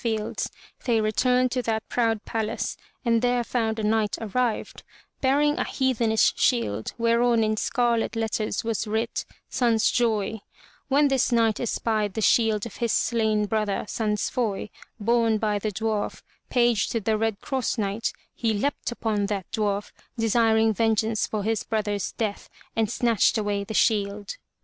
A& fields, they returned to that proud palace and there found a knight arrived, bearing a heathenish shield whereon in scarlet letters was writ Sansjoy, When this knight espied the shield of his slain brother, Sansfoy, borne by the dwarf, page to the Red Cross Knight, he leapt upon that dwarf, desiring vengeance for his brother^s death and snatched away the shield.